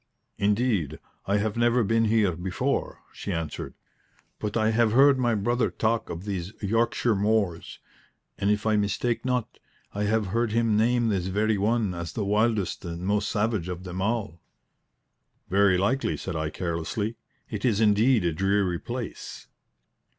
"Indeed, I have never been here before," she answered. "But I have heard my brother talk of these Yorkshire moors; and, if I mistake not, I have heard him name this very one as the wildest and most savage of them all." "Very likely," said I, carelessly. "It is indeed a dreary place."